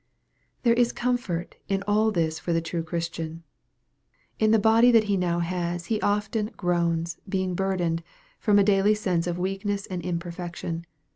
There is comfort in all this for the true Christian. In the body that he now has he often " groans, being burdened," from a daily sense of weakness and imperfection.